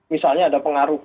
misalnya ada pengaruh